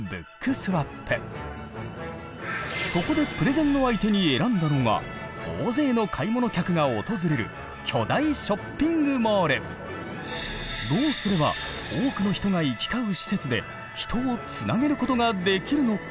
そこでプレゼンの相手に選んだのが大勢の買い物客が訪れるどうすれば多くの人が行き交う施設で人をつなげることができるのか。